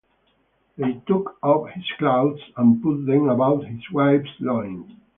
They took of his clouts and put them about his wife's loins.